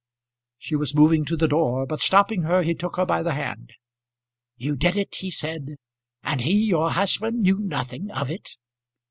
She was moving to the door, but stopping her, he took her by the hand. "You did it," he said, "and he, your husband, knew nothing of it?"